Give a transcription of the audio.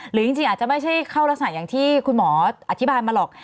หรือจริงอาจจะไม่ใช่เข้ารักษณะอย่างที่คุณหมออธิบายมาหรอก